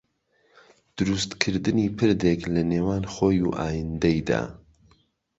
دروستکردنی پردێک لەنێوان خۆی و ئایندەیدا